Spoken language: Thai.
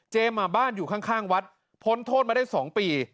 เจมส์อ่ะบ้านอยู่ข้างวัดพ้นโทษมาได้สองปี